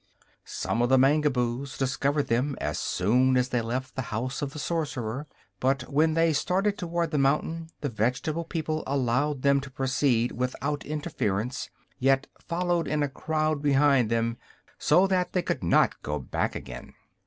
Some of the Mangaboos discovered them as soon as they left the House of the Sorcerer; but when they started toward the mountain the vegetable people allowed them to proceed without interference, yet followed in a crowd behind them so that they could not go back again.